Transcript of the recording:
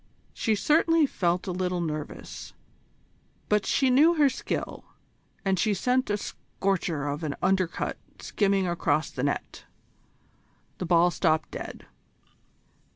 She certainly felt a little nervous, but she knew her skill, and she sent a scorcher of an undercut skimming across the net. The ball stopped dead.